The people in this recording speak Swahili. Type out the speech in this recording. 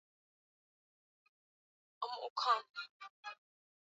Walimu wako darasani.